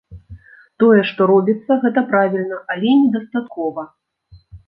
Тое, што робіцца, гэта правільна, але недастаткова.